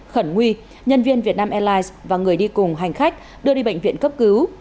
khẩn nguy nhân viên vietnam airlines và người đi cùng hành khách đưa đi bệnh viện cấp cứu